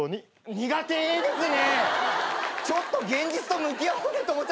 苦手ですね！